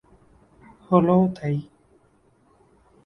হলোও তাই।